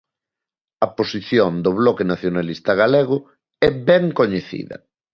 A posición do Bloque Nacionalista Galego é ben coñecida.